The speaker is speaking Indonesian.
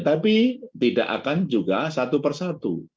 tapi tidak akan juga satu persatu